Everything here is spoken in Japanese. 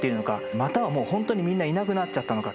またはもうほんとにみんないなくなっちゃったのか。